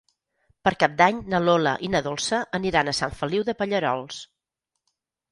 Per Cap d'Any na Lola i na Dolça aniran a Sant Feliu de Pallerols.